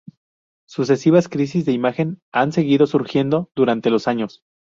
Sucesivas crisis de imagen han seguido surgiendo durante los años.